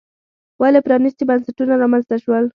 ولې پرانیستي بنسټونه رامنځته شول.